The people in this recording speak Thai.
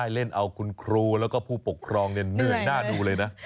วิ่งจะจบได้เล่นเอาคุณครูและผู้ปกครองเนื่อยหน้าดูเลยนะ